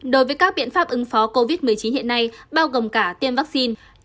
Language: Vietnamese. đối với các biện pháp ứng phó covid một mươi chín hiện nay bao gồm cả tiêm vaccine